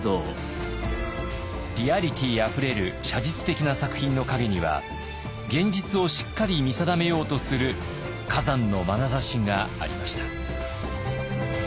リアリティーあふれる写実的な作品の陰には現実をしっかりと見定めようとする崋山の眼差しがありました。